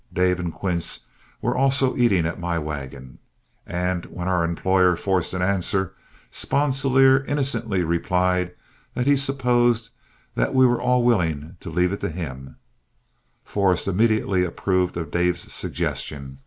Dave and Quince were also eating at my wagon, and when our employer forced an answer, Sponsilier innocently replied that he supposed that we were all willing to leave it to him. Forrest immediately approved of Dave's suggestion.